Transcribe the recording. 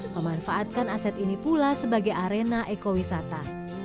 memanfaatkan aset ini pula sebagai arena ekowisata